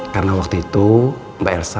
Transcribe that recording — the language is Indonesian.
tahanan waktu tahanan